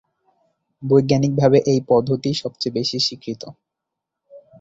বৈজ্ঞানিকভাবে এই পদ্ধতিই সবচেয়ে বেশি স্বীকৃত।